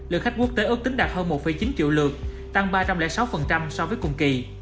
lượng khách quốc tế ước tính đạt hơn một chín triệu lượt tăng ba trăm linh sáu so với cùng kỳ